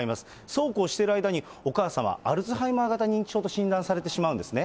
そうこうしている間に、お母様、アルツハイマー型認知症と診断されてしまうんですね。